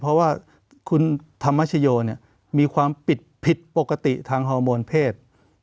เพราะว่าคุณธรรมชโยมีความผิดผิดปกติทางฮอร์โมนเพศ